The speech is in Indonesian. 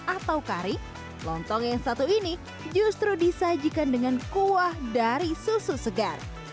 atau kari lontong yang satu ini justru disajikan dengan kuah dari susu segar